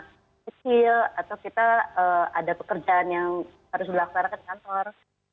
kita harus menjaga kecil atau kita ada pekerjaan yang harus dilaksanakan di kantor